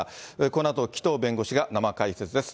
このあと、紀藤弁護士が生解説です。